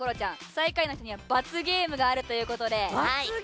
最下位の人には罰ゲームがあるということで。